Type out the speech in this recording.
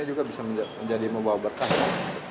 juga bisa menjadi membawa berkah